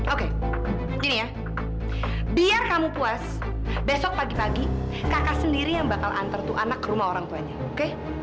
oke gini ya biar kamu puas besok pagi pagi kakak sendiri yang bakal antar tuh anak ke rumah orang tuanya oke